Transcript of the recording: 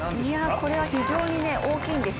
これは非常に大きいんです。